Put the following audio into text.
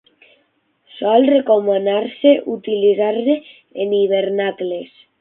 Sol recomanar-se utilitzar-se en hivernacles.